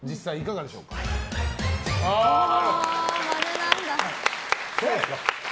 ○なんだ。